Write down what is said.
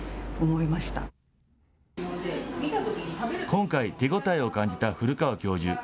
今回、手応えを感じた古川教授。